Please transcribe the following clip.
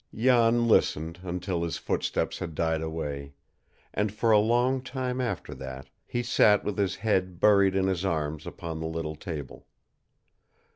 Jan listened until his footsteps had died away, and for a long time after that he sat with his head buried in his arms upon the little table.